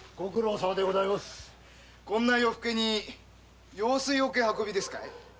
こんな夜更けに用水桶運びですかい？